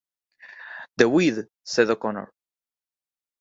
"The weed," said O'Connor.